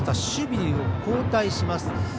守備を交代します。